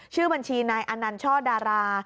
ชื่อบัญชีนายอนันต์ช่อดารา